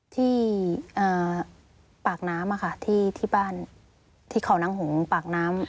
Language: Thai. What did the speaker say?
ที่ปากน้ำที่บ้านที่เขานางหงปากน้ำ